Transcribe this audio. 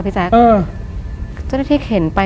พี่แจ๊คเออจำได้ที่เข็นไป